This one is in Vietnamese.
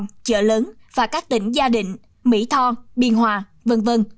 sài gòn chợ lớn và các tỉnh gia định mỹ tho biên hòa v v